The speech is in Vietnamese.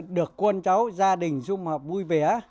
được con cháu gia đình xung họp vui vẻ